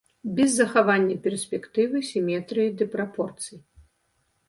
Без захавання перспектывы, сіметрыі ды прапорцый.